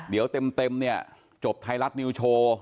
เดี๋ยวเต็มเนี่ยจบไทยรัฐนิวโชว์